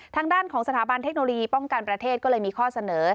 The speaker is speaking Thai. ทางด้านของสถาบันเทคโนโลยีป้องกันประเทศก็เลยมีข้อเสนอ